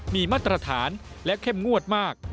มีมาตรฐานและเข้มงวดมาก